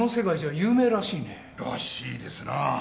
らしいですな。